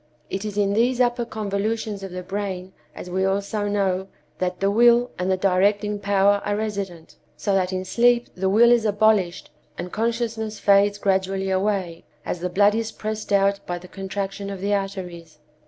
It is in these upper convolutions of the brain, as we also know, that the will and the directing power are resident; so that in sleep the will is abolished and consciousness fades gradually away, as the blood is pressed out by the contraction of the arteries.